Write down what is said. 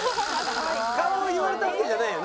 顔を言われたわけじゃないよね？